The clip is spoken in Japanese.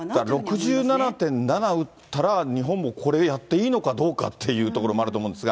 だから６７．７打ったら、日本もこれ、やっていいのかどうかっていうところもあると思うんですが。